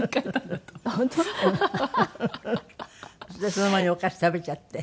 その前にお菓子食べちゃって？